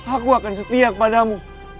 aku akan setia kepadamu